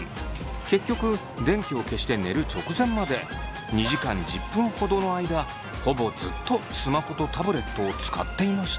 結局電気を消して寝る直前まで２時間１０分ほどの間ほぼずっとスマホとタブレットを使っていました。